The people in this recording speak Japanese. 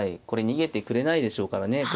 これ逃げてくれないでしょうからね。